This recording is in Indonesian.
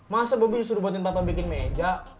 masa bobby disuruh buatin papa bikin meja